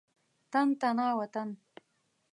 تن تنا وطن.